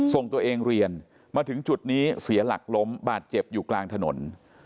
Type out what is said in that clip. ส่งตัวเองเรียนมาถึงจุดนี้เสียหลักล้มบาดเจ็บอยู่กลางถนน